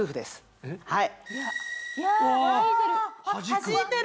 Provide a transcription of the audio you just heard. はじいてる！